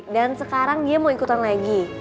dan sekarang dia mau ikutan lagi